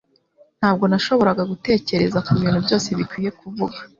Ntabwo nashoboraga gutekereza kubintu byose bikwiye kuvuga